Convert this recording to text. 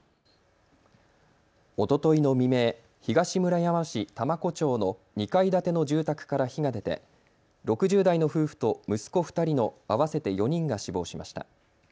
おとといの未明、東村山市多摩湖町の２階建ての住宅から火が出て６０代の夫婦と息子２人の合わせて４人が死亡しました。